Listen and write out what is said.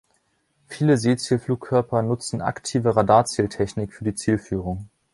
Viele Seezielflugkörper nutzen aktive Radarzieltechnik für die Zielführung.